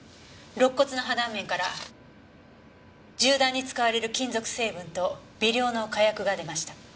肋骨の破断面から銃弾に使われる金属成分と微量の火薬が出ました。